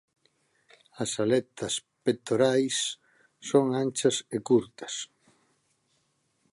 As aletas pectorais son anchas e curtas.